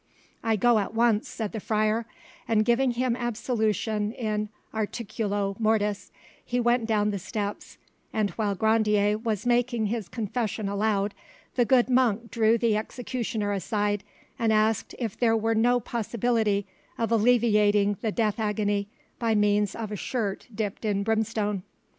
"I go at once," said the friar; and giving him absolution in 'articulo mortis', he went down the steps, and while Grandier was making his confession aloud the good monk drew the executioner aside and asked if there were no possibility of alleviating the death agony by means of a shirt dipped in brimstone.